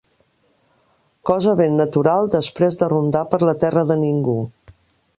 Cosa ben natural després de rondar per la terra de ningú